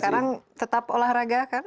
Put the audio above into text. sekarang tetap olahraga kan